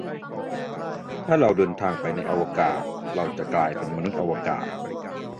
ถ้าเราเดินทางไปในอวกาศ เราจะกลายเป็นมนุษย์อวกาศ